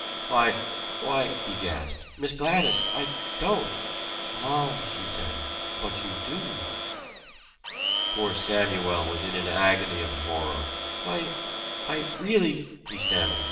"Why why " he gasped. "Miss Gladys! I don't !" "Ah!" she said, "but you do." Poor Samuel was in an agony of horror. "I I really " he stammered.